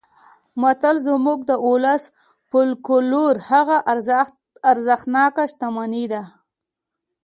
متل زموږ د ولس او فولکلور هغه ارزښتناکه شتمني ده